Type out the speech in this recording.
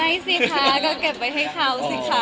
สิคะก็เก็บไว้ให้เขาสิคะ